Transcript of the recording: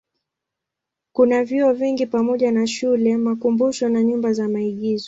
Kuna vyuo vingi pamoja na shule, makumbusho na nyumba za maigizo.